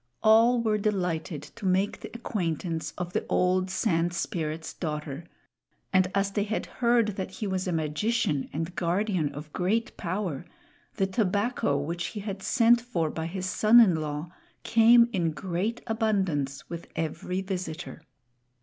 All were delighted to make the acquaintance of the old Sand Spirit's daughter; and as they had heard that he was a magician and guardian of great power, the tobacco which he had sent for by his son in law came in great abundance with every visitor.